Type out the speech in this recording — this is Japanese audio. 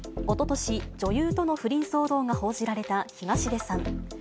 おととし、女優との不倫騒動が報じられた東出さん。